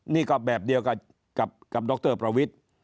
นี่ก็แบบเดียวกับดรประวิทย์